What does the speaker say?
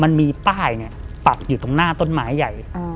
มันมีป้ายเนี้ยตัดอยู่ตรงหน้าต้นไม้ใหญ่อืม